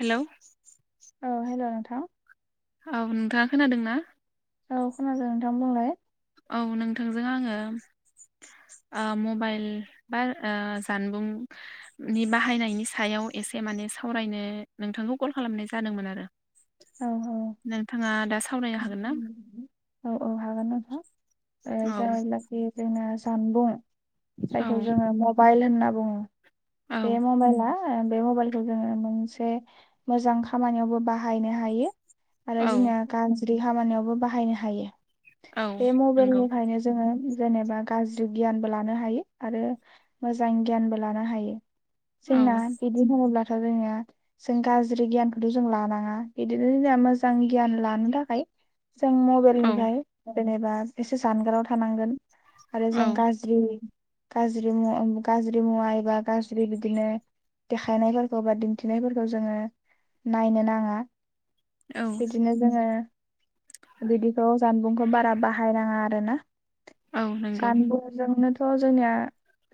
Hello औ हलौ' नोंथां औ नोंथाङा खोनादों ना? औ खोनादों नोंथां बुंलाय औ नोंथांजों आङो मबाइल बा जानबुंनि बाहायनायनि सायाव ए से माने सावरायनो नोंथांखौ कल खालामनाय जादोंमोन आरो औ नोंथाङा दा सावरायनो हागोनना [inaudible] जायलाखि जोंना जानबुं औ जायखौ जोङो मबाइल होनना बुङो औ बे माबाइला बे मबाइलखौ जोङो मोनसे मोजां खामानियावबो बाहायनो हायो आरो औ जोंना गाज्रि खामानियावबो बाहायनो हायो औ बे नंगौ मबेलनिफ्रायनो जोङो जेनेबा गाज्रि गियानबो लानो हायो आरो मोजां गियानबो लानो हायो औ जोंना बिदि बुङोब्ला गाज्रि गियानखौथ जों लानांङा बिदिनो जों मोजां गियान ला नो थाखाय जों औ मबाइलनिफ्राय जेनेबा एसे जानगाराव थानांगोन आरो जों औ गाज्रि गाज्रि मुवा गाज्रि मुवा एबा गाज्रि बिदिनो देखायनायफोरखौ बा दिन्थिनायफोरखौ जोङो नायनो नाङा औ बिदिनो जों बिदिखौ जानबुंखौ बारा बाहायनाङा आरोना औ नंगौ जानबुंजोंनोथ जोंनिया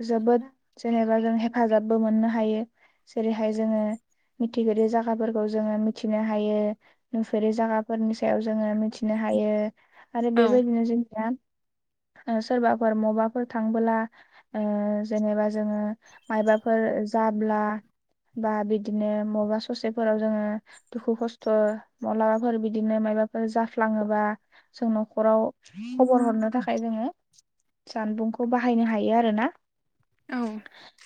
जोबोद जेनेबा जों हेफाजाबबो मोननो हायो जेरैहाय जोङो मिथिफेरै जागाफोरखौ जोङो मिथिनो हायो नुफेरै जागा फोरनि सायाव जोङो मिथिनो हायो आरो औ बेबायदिनो जोंनिया [inaudible] सोरबाफोर मबाफोर थांबोला जेनेबा जोङो मायबाफोर जाब्ला बा बिदिनो मबबा ससेफोराव जोङो दुखु खस्थ' माब्लाबाफोर बिदि नो मायबाफोर जाफ्लाङोबा जों न'खराव खबर हरनो थाखाय जोङो जानबुंखौ बाहायनो हायो आरोना। औ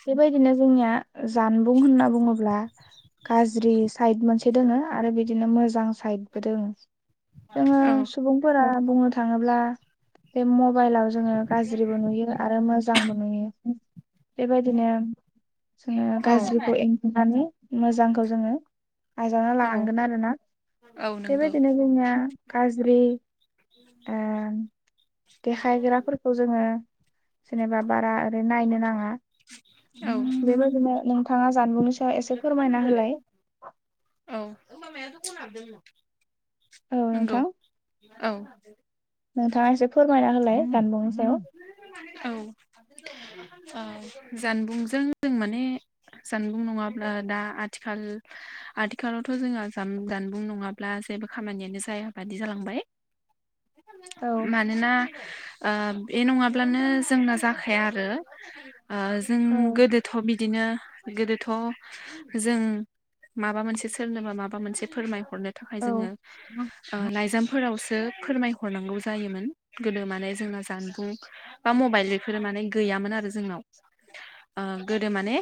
बेबायदिनो जोंनिया जानबुं होनना बुङोब्ला गाज्रि साइद मोनसे दोङो आरो बिदिनो मोजां साइदबो दोङो जोङो औ सुबुंफोरा बुंनो थाङोब्ला बे म मबाइलाव जोङो गाज्रिबो नुयो आरो मोजांबो नुयो बेबायदिनो जोङो औ गाज्रिखौ एंगानानै मोजांखौ जोङो आजावना लानांगोन आरोना औ नंगौ बेबायदिनो जोंनिया गाज्रि ओ देखायग्राफोरखौ जोङो जेनेबा बारा ओरै नायनो नाङा। औ बेबायदिनो नोंथाङा जानबुंनि सो एसे फोरमायना होलाय औ [inaudible] औ नंगौ नोंथां औ नोंथाङा एसे फोरमायना होलाय जानबुं औ औ जानबुंजों जों माने जानबुं नङाब्ला दा आथिखाल आथिखालावथ जोंहा जानबुं नङाब्ला जेबो खामानियानो जायाबादि जालांबाय औ मानोना आ बे नङाब्लानो जोंना जाखाया आरो जों औ गोदोथ बि दिनो गोदोथ जों माबा मोनसे सोरनोबा माबा मोनसे फोरमाय हरनो थाखाय जोङो औ। ओ लायजाम फोरावसो फोरमायहरनांगौ जायोमोन गोदो माने जोंना जान बुं बा मबाइल बिफोरो माने गैयामोन आरो जोंनाव ओ गोदो माने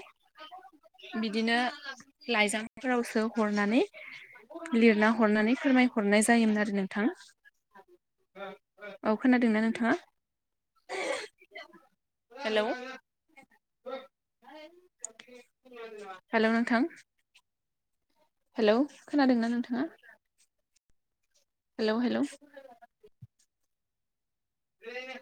[inaudible] बिदिनो लाइजामफोरावसो हरनानै लिरना हरनानै फोरमायहरनाय जायोमोन आरो नोंथां। औ खोनादोंना नोंथाङा? [inaudible] हेल' [inaudible] [inaudible] हेलौ नोंथां हेलौ खोनादोंना नोंथाङा? हेल' हेल' बे [inaudible]